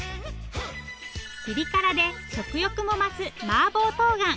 ピリ辛で食欲も増すマーボーとうがん